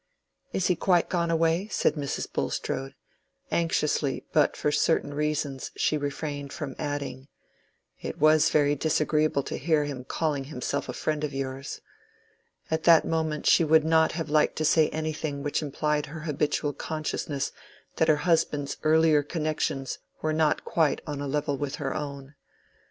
"Is he quite gone away?" said Mrs. Bulstrode, anxiously; but for certain reasons she refrained from adding, "It was very disagreeable to hear him calling himself a friend of yours." At that moment she would not have liked to say anything which implied her habitual consciousness that her husband's earlier connections were not quite on a level with her own.